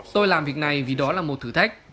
tôi làm việc này vì đó là một thử thách